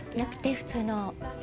普通の。